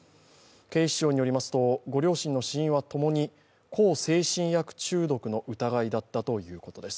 警視庁よりますと、ご両親の死因は共に向精神薬中毒の疑いだったということです。